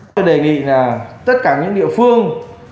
tôi đề nghị là tất cả những địa phương